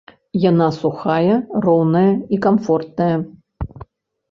Яна сухая, роўная і камфортная.